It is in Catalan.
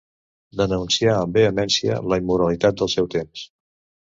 Denuncià amb vehemència la immoralitat del seu temps.